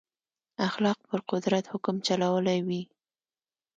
اخلاق پر قدرت حکم چلولی وي.